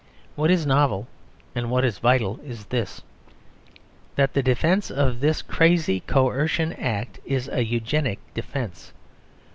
What is novel and what is vital is this: that the defence of this crazy Coercion Act is a Eugenic defence.